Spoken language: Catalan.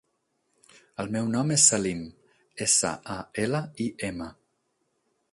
El meu nom és Salim: essa, a, ela, i, ema.